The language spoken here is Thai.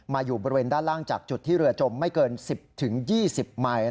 อยู่บริเวณด้านล่างจากจุดที่เรือจมไม่เกิน๑๐๒๐ไมค์